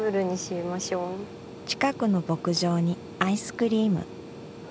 近くの牧場にアイスクリーム。